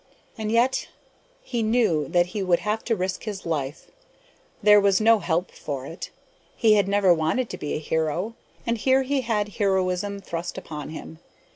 And yet he knew that he would have to risk his life; there was no help for it. He had never wanted to be a hero, and here he had heroism thrust upon him.